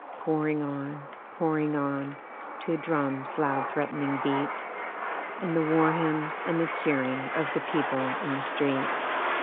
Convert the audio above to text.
Pouring on, pouring on, To a drum's loud threatening beat, And the war hymns and the cheering of the people in the street.